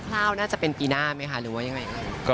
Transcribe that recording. ร่าวน่าจะเป็นปีหน้าไหมคะหรือว่ายังไง